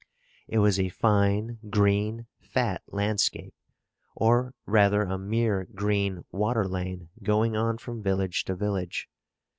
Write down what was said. It was a fine, green, fat landscape; or rather a mere green water lane, going on from village to village.